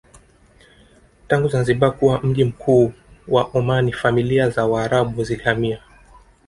Tangu Zanzibar kuwa mji mkuu wa Omani familia za waarabu zilihamia